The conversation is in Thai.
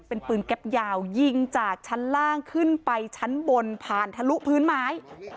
เป็นปืนแก๊ปยาวยิงจากชั้นล่างขึ้นไปชั้นบนผ่านทะลุพื้นไม้